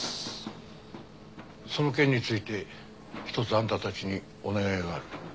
その件について１つあんたたちにお願いがある。